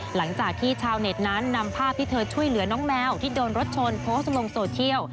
หลังจากที่ชาวเน็ตนั้นนำภาพที่เธอช่วยเหลือน้องแมวที่โดนรถชนโพสต์ลงโซเชียล